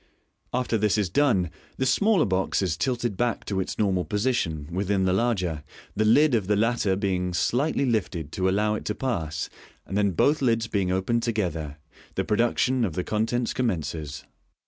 After this has been done, the smaller box is tilted back to its normal position with in the larger, the lid of the latter being slightly lifted to allow it to pass, and then both lids b^ing open ed together, the pro duction of the con tents commences.